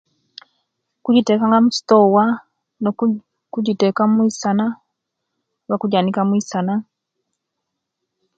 Kujiteka nga musitowa noku kkujiteka mwisana no kujanika mwisana